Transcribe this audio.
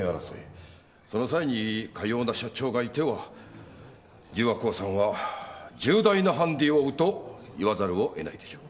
その際にかような社長がいては十和興産は重大なハンディを負うと言わざるをえないでしょう。